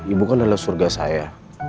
ibu kan adalah surga saya